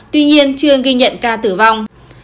tuy nhiên chưa ghi nhận ca tử vong